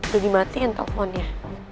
udah dimatiin teleponnya